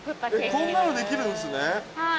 こんなのできるんですね。